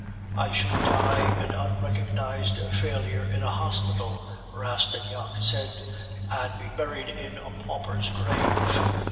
I should die an unrecognized failure in a hospital, Rastignac said, and be buried in a pauper's grave.